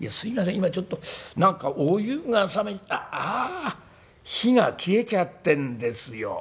今ちょっと何かお湯が冷めあっああ火が消えちゃってんですよ」。